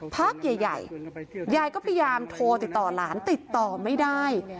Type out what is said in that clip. พักใหญ่ยายก็พยายามโทรติดต่อหลานติดต่อไม่ได้